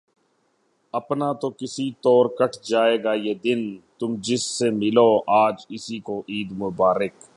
اپنا تو کسی طور کٹ جائے گا یہ دن، تم جس سے ملو آج اس کو عید مبارک